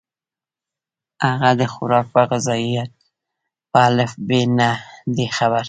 هغه د خوراک يا غذائيت پۀ الف ب هم نۀ دي خبر